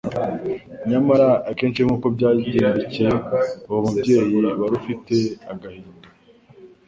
Nyamara akenshi nk’uko byagendekcye uwo mubyeyi wari ufite agahinda,